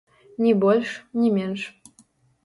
Ні больш, ні менш.